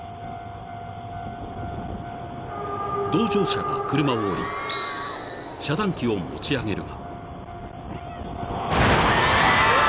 ［同乗者が車を降り遮断機を持ち上げるが］